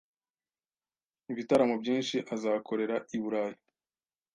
ibitaramo byinshi azakorera i Burayi